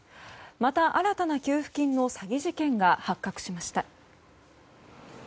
また新たな給付金の詐欺事件が発覚しました。